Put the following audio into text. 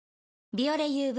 「ビオレＵＶ」